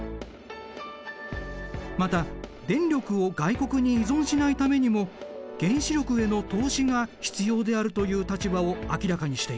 また電力を外国に依存しないためにも原子力への投資が必要であるという立場を明らかにしている。